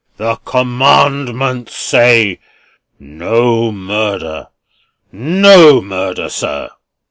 "The Commandments say, no murder. NO murder, sir!"